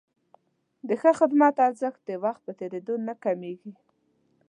د ښه خدمت ارزښت د وخت په تېرېدو نه کمېږي.